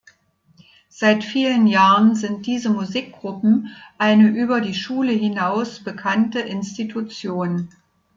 Seit vielen Jahren sind diese Musikgruppen eine über die Schule hinaus bekannte Institution.